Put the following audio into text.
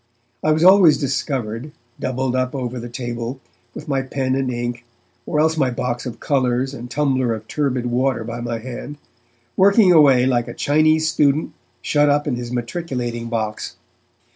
I was always discovered, doubled up over the table, with my pen and ink, or else my box of colours and tumbler of turbid water by my hand, working away like a Chinese student shut up in his matriculating box.